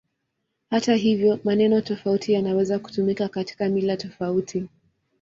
Hata hivyo, maneno tofauti yanaweza kutumika katika mila tofauti.